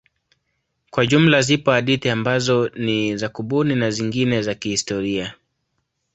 Kwa jumla zipo hadithi ambazo ni za kubuni na zingine za kihistoria.